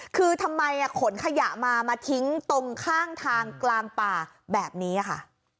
คือทำไมขนขยะมามาทิ้งตรงข้างทางกลางป่าแบบนี้ค่ะ